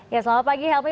ya selamat pagi helmi